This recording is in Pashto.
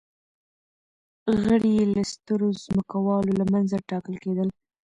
غړي یې له سترو ځمکوالو له منځه ټاکل کېدل